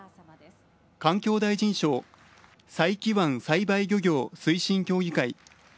環境大臣賞佐伯湾栽培漁業推進協議会。